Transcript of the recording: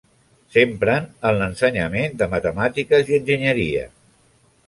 S'empren en l'ensenyament de matemàtiques i enginyeria.